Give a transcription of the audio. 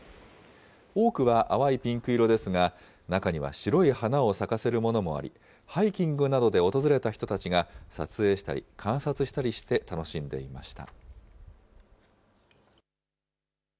多くは淡いピンク色ですが、中には白い花を咲かせるものもあり、ハイキングなどで訪れた人たちが、撮影したり、観察したりして楽しんでいました。